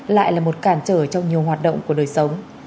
lại là một cản trở trong nhiều hoạt động của đời sống